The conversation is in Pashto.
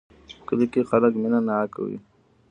په کلي کې خلک مینه ناک وی